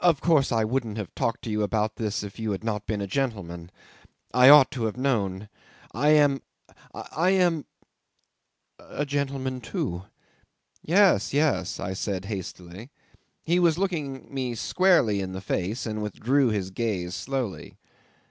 "Of course I wouldn't have talked to you about all this if you had not been a gentleman. I ought to have known ... I am I am a gentleman too ..." "Yes, yes," I said hastily. He was looking me squarely in the face, and withdrew his gaze slowly.